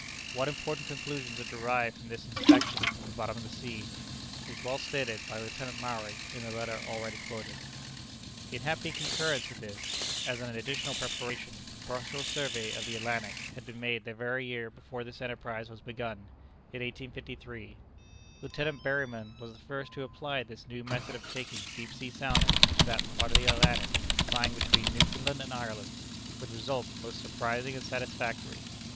What important conclusions are derived from this inspection of the bottom of the sea, is well stated by Lieutenant Maury in the letter already quoted. In happy concurrence with this, as an additional preparation, a partial survey of the Atlantic had been made the very year before this enterprise was begun, in 1853. Lieutenant Berryman was the first who applied this new method of taking deep sea soundings to that part of the Atlantic lying between Newfoundland and Ireland, with results most surprising and satisfactory.